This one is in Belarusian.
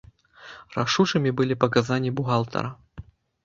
Рашучымі былі паказанні бухгалтара.